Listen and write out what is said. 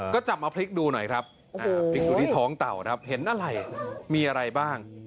ก็จับมาพลิกดูหน่อยครับพลิกอยู่ที่ท้องเต่าครับเห็นอะไรมีอะไรบ้าง